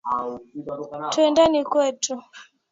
Twendeni kwetu.